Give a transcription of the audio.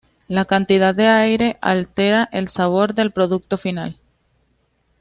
La cantidad de aire altera el sabor del producto final.